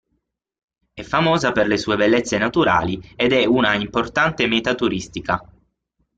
È famosa per le sue bellezze naturali ed è una importante meta turistica.